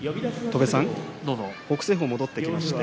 北青鵬が戻ってきました。